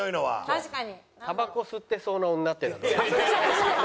確かに。